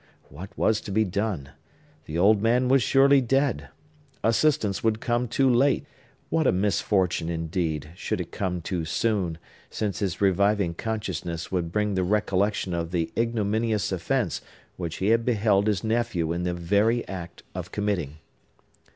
What was to be done? The old man was surely dead! Assistance would come too late! What a misfortune, indeed, should it come too soon, since his reviving consciousness would bring the recollection of the ignominious offence which he had beheld his nephew in the very act of committing!